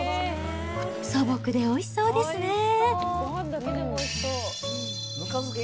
素朴でおいしそうですね。